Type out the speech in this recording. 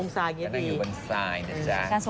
จะอยู่บนไซซ์